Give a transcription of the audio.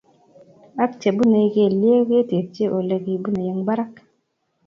ak chebunei kelyek ketekchi Ole kibunei eng barak